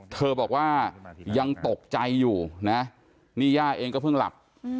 เธอบอกว่ายังตกใจอยู่นะนี่ย่าเองก็เพิ่งหลับ